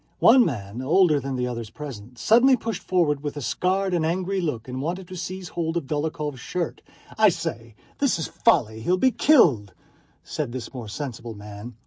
One man, older than the others present, suddenly pushed forward with a scared and angry look and wanted to seize hold of Dólokhov's shirt. "I say, this is folly! He'll be killed," said this more sensible man.